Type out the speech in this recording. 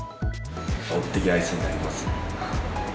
おってぎアイスになります。